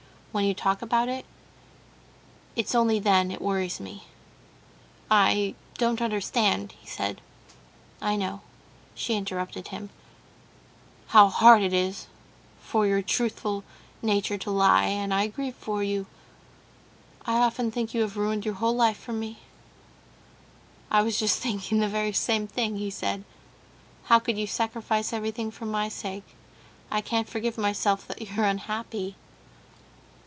When you talk about it—it's only then it worries me." "I don't understand," he said. "I know," she interrupted him, "how hard it is for your truthful nature to lie, and I grieve for you. I often think that you have ruined your whole life for me." "I was just thinking the very same thing," he said; "how could you sacrifice everything for my sake? I can't forgive myself that you're unhappy!"